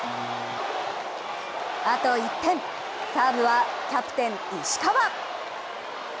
あと１点、サーブはキャプテン・石川。